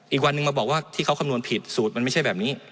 อีกวันหนึ่งมาบอกว่าที่เขาคำนวณผิดสูตรมันไม่ใช่แบบนี้